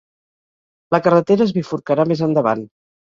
La carretera es bifurcarà més endavant.